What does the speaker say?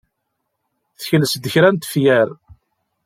Tekles-d kra n tefyar.